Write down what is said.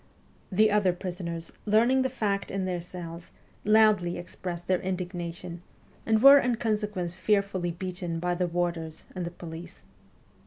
The other prisoners, learning the fact in their cells, loudly expressed their indignation, and were in consequence fearfully beaten by the warders and the police.